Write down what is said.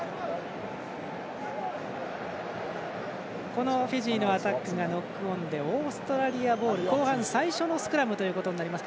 このフィジーのアタックがノックオンでオーストラリアボール後半最初のスクラムとなります。